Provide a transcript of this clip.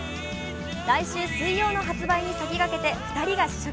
来週水曜の発売に先駆けて２人が試食